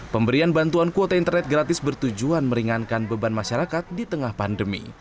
pemberian bantuan kuota internet gratis bertujuan meringankan beban masyarakat di tengah pandemi